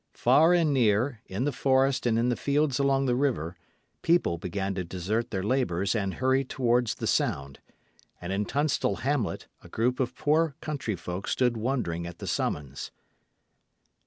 Far and near, in the forest and in the fields along the river, people began to desert their labours and hurry towards the sound; and in Tunstall hamlet a group of poor country folk stood wondering at the summons.